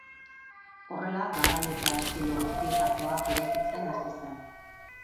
Horrela garai eta estilo guztietakoak eraikitzen hasi zen.